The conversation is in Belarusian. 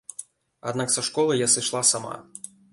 Аднак са школы я сышла сама.